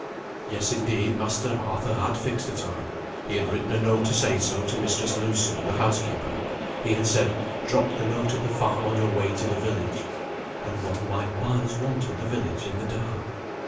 Yes, indeed, Master Arthur had fixed a time; he had written a note to say so to Mistress Lewson, the housekeeper; he had said, "Drop the note at the farm, on your way to the village." And what might Miles want at the village, in the dark?